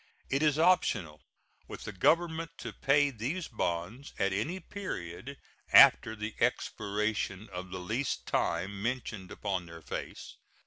It is optional with the Government to pay these bonds at any period after the expiration of the least time mentioned upon their face.